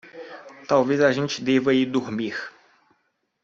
Talvez a gente deva ir dormir